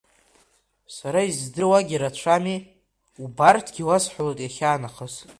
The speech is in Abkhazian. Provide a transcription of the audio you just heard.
Сара издыруагьы рацәами, убарҭгьы уасҳәалоит иахьанахыс.